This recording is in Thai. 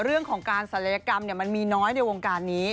เรื่องของการศัลยกรรมมันมีน้อยในวงการนี้